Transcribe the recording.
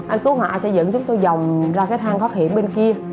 anh cứu hỏa sẽ dẫn chúng tôi dòng ra cái thang thoát hiểm bên kia